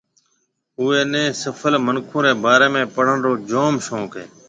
اوئيَ نيَ سڦل منکون رَي بارَي ۾ پڙھڻ رو جوم شوق ھيََََ